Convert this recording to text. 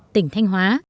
tỉnh thanh hóa